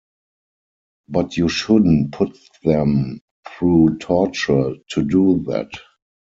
But you shouldn't put them through torture to do that.